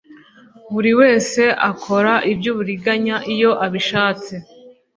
buri wese akora ibyuburiganya iyo abishatse